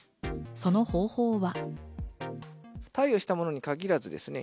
その方法は。